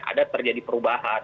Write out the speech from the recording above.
ada terjadi perubahan